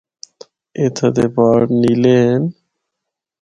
اِتھا دے پہاڑ نیلے ہن۔